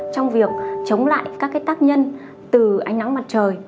trong việc chống lại các tác nhân từ ánh nắng mặt trời